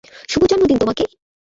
শুভ জন্মদিন তোমাকে!